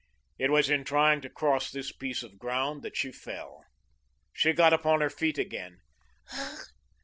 It was in trying to cross this piece of ground that she fell. She got upon her feet again.